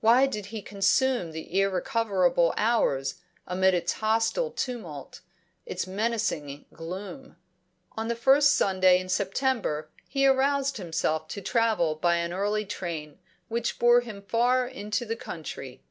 Why did he consume the irrecoverable hours amid its hostile tumult, its menacing gloom? On the first Sunday in September he aroused himself to travel by an early train, which bore him far into the country.